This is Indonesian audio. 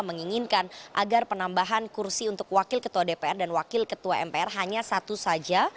menginginkan agar penambahan kursi untuk wakil ketua dpr dan wakil ketua mpr hanya satu saja